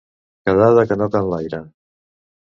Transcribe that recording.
Quedar de canoca enlaire.